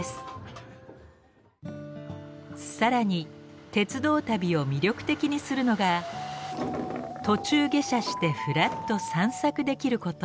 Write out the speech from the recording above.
更に鉄道旅を魅力的にするのが途中下車してふらっと散策できること。